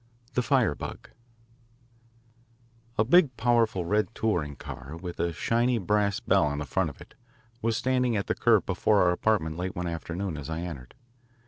IV THE FIREBUG A big, powerful, red touring car, with a shining brass bell on the front of it, was standing at the curb before our apartment late one afternoon as I entered.